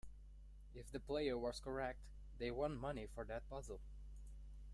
If the player was correct, they won money for that puzzle.